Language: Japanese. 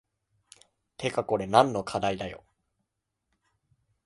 てかこれ何の課題だよ